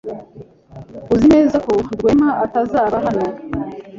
Uzi neza ko Rwema atazaba hano?